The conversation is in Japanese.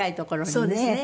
そうですね。